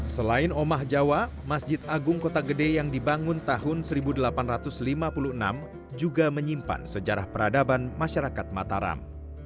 selain omah jawa masjid agung kota gede yang dibangun tahun seribu delapan ratus lima puluh enam juga menyimpan sejarah peradaban masyarakat mataram